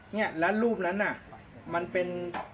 เงียและรูปนั้นนะมันเป็น